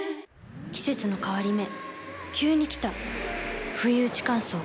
季節の変わり目急に来たふいうち乾燥。